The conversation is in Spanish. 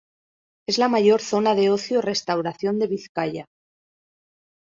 Es la mayor zona de ocio y restauración de Vizcaya.